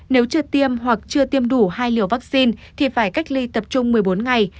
nếu chưa tiêm hoặc chưa tiêm đủ hai liều vaccine thì phải cách ly tập trung một mươi bốn ngày